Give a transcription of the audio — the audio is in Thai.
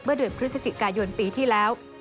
เดือนพฤศจิกายนปีที่แล้ว